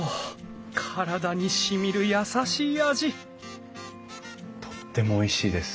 体にしみる優しい味とってもおいしいです。